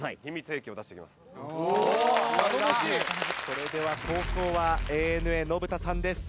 それでは後攻はＡＮＡ信田さんです。